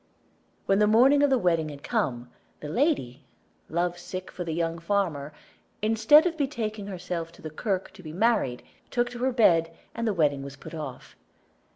When the morning of the wedding had come, the lady, love sick for the young farmer, instead of betaking herself to the kirk to be married, took to her bed, and the wedding was put off.